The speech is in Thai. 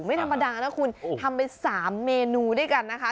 ไม่ธรรมดานะคุณทำไป๓เมนูด้วยกันนะคะ